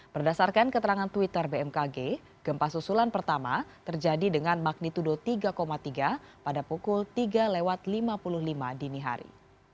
berdasarkan keterangan twitter bmkg gempa susulan pertama terjadi dengan magnitudo tiga tiga pada pukul tiga lewat lima puluh lima dini hari